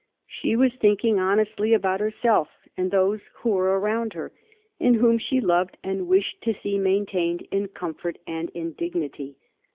She was thinking honestly about herself and those who were around her, and whom she loved and wished to see maintained in com fort and in dignity.